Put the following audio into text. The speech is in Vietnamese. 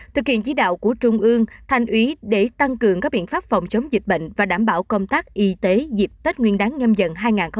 thực hiện chí đạo của trung ương thành úy để tăng cường các biện pháp phòng chống dịch bệnh và đảm bảo công tác y tế dịp tết nguyên đáng ngâm dận hai nghìn hai mươi hai